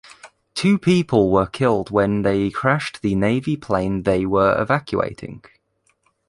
Two people were killed when they crashed the Navy plane they were evacuating.